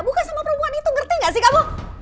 buka sama perempuan itu ngerti gak sih kamu